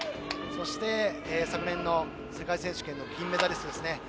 そして昨年の世界選手権銀メダリストですね。